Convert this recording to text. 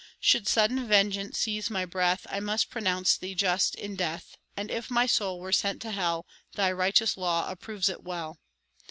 Should sudden vengeance seize my breath, I must pronounce thee just in death; And if my soul were sent to hell, Thy righteous law approves it well.